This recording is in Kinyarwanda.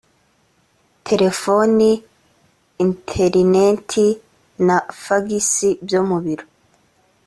telefoni interineti na fagisi byo mu biro